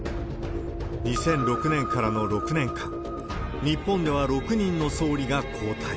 ２００６年からの６年間、日本では６人の総理が交代。